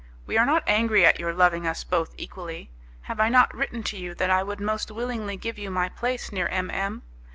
We are not angry at your loving us both equally. Have I not written to you that I would most willingly give you my place near M M